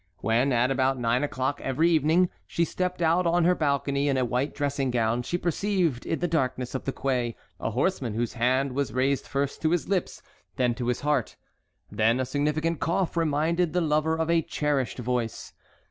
When, at about nine o'clock every evening, she stepped out on her balcony in a white dressing gown, she perceived in the darkness of the quay a horseman whose hand was raised first to his lips, then to his heart. Then a significant cough reminded the lover of a cherished voice.